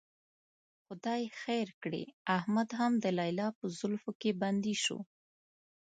خدای خیر کړي، احمد هم د لیلا په زلفو کې بندي شو.